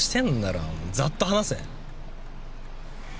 ざっと話せ。